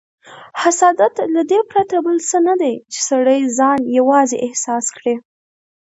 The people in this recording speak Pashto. حسادت له دې پرته بل څه نه دی، چې سړی ځان یوازې احساس کړي.